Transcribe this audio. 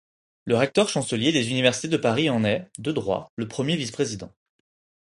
Le recteur-chancelier des universités de Paris en est, de droit, le premier vice-président.